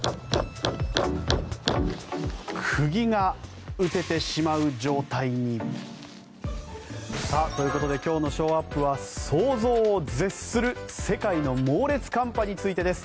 釘が打ててしまう状態に。ということで今日のショーアップは想像を絶する世界の猛烈寒波についてです。